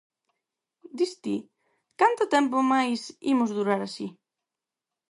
Dis ti: 'Canto tempo máis imos durar así?'.